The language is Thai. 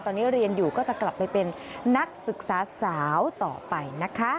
ตอนนี้เรียนอยู่ก็จะกลับไปเป็นนักศึกษาสาวต่อไปนะคะ